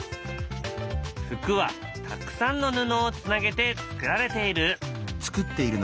服はたくさんの布をつなげて作られている。